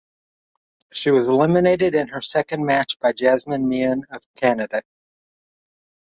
She was eliminated in her second match by Jasmine Mian of Canada.